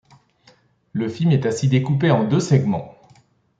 Le film est ainsi découpé en deux segments.